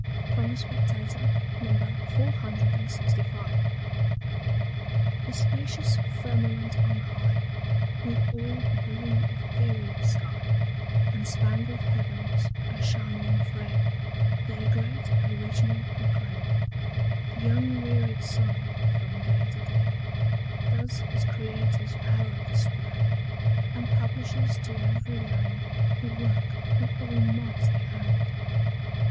HYMN From the Spectator, No. 465 The Spacious Firmament on high With all the blue Etherial Sky, And Spangled Heav'ns, a Shining Frame, Their great Original proclaim: Th' unwearied Sun, from Day to Day, Does his Creator's Pow'r display, And publishes to every Land The Work of an Almighty Hand.